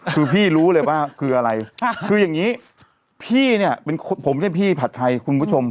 คือพี่รู้เลยว่าคืออะไรคืออย่างนี้พี่เนี่ยเป็นผมไม่ใช่พี่ผัดไทยคุณผู้ชม